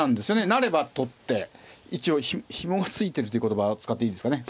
成れば取って一応ひもが付いてるっていう言葉使っていいんですかね。